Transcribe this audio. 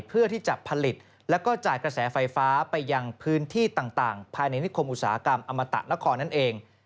เพื่อที่จะผลิตแล้วก็จ่ายกระแสไฟฟ้าไปยังพื้นที่ต่างภายในนิคมอุตสาหกรรมอมตะนครนั่นเอง